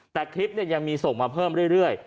แต่คลิปยังมีส่งมาเพิ่มเรื่อย